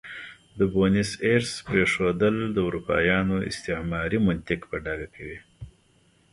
د بونیس ایرس پرېښودل د اروپایانو استعماري منطق په ډاګه کوي.